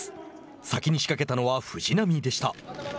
先に仕掛けたのは藤波でした。